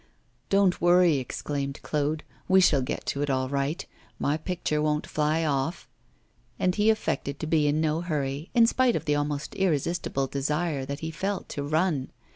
'Don't worry!' exclaimed Claude; 'we shall get to it all right. My picture won't fly off.' And he affected to be in no hurry, in spite of the almost irresistible desire that he felt to run.